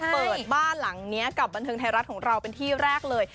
เปิดบ้านหลังนี้กับบันเทิงไทยรัฐของเราเป็นที่แรกเลย